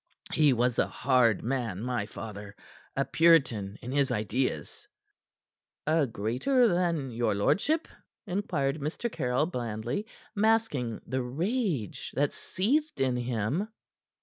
He was a hard man, my father; a puritan in his ideas." "A greater than your lordship?" inquired Mr. Caryll blandly, masking the rage that seethed in him.